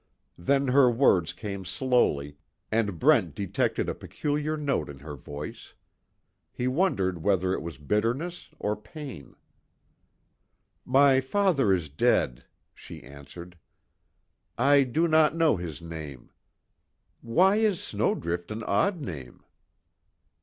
Then her words came slowly, and Brent detected a peculiar note in her voice. He wondered whether it was bitterness, or pain: "My father is dead," she answered, "I do not know his name. Why is Snowdrift an odd name?"